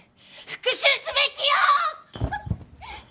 復讐すべきよ！！